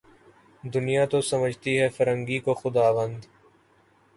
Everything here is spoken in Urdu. دنیا تو سمجھتی ہے فرنگی کو خداوند